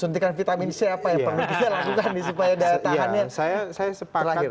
suntikan vitamin c apa yang perlu kita lakukan supaya daya tahannya terlahir